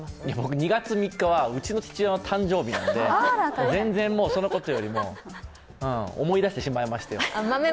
２月３日はうちの父親の誕生日なので、そのことよりも思い出してしまいましたよ。